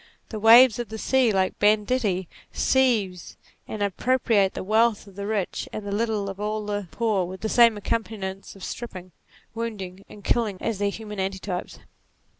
The waves of the sea, like banditti seize and appro priate the wealth of the rich and the little all of the poor with the same accompaniments of stripping, wounding, and killing as their human antitypes.